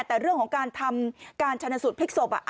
แต่เรื่องของการทำการชนะสูตรพลิกศพ